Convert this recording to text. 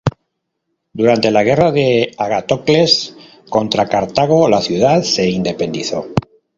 Durante la guerra de Agatocles contra Cartago la ciudad se independizó.